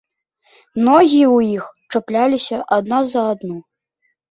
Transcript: Ногі ў іх чапляліся адна за адну.